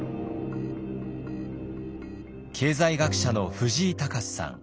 経済学者の藤井隆至さん。